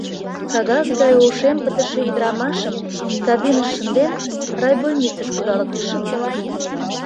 Кагаз гай ошем пытыше ӱдырамашым, кабиныш шынден, райбольницыш кудалыктышым.